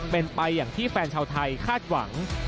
เป็นไปอย่างที่แฟนชาวไทยคาดหวัง